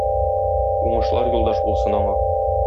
Уңышлар юлдаш булсын аңа!